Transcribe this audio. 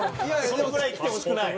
そのぐらい来てほしくない。